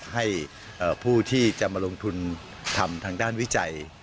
ให้ผู้ที่จะมาลงทุนทำทางด้านวิจัย